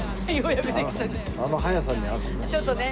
あの速さに合わせてね。